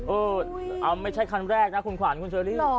เออเอาไม่ใช่คันแรกนะคุณขวัญคุณเชอรี่